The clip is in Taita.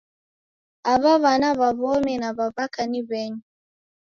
Aw'a w'ana w'a w'omi na w'a w'aka ni w'enyu?